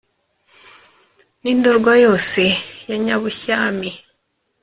n’i ndorwa yose ya nyabushyami